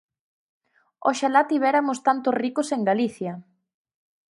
¡Oxalá tiveramos tantos ricos en Galicia!